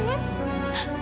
kamu tegas sama kaka